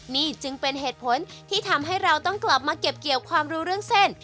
นี่จึงเป็นเหตุผลที่ทำให้เราต้องกลับมาเก็บเกี่ยวความรู้เรื่องเส้น